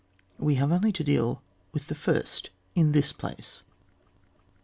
We have only to deal with the first in this place.